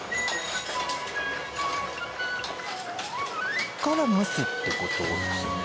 ここから蒸すって事ですよね？